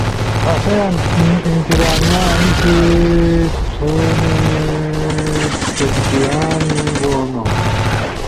اسہ ئی انتظامیہ انیسی تھونے چک بیانو ہُون: